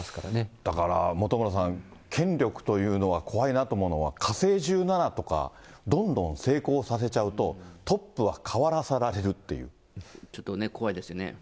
だから本村さん、権力というのは怖いなと思うのは、火星１７とかどんどん成功させちゃうと、ちょっとね、怖いですよね。